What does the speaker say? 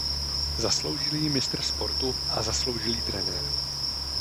Zasloužilý mistr sportu a zasloužilý trenér.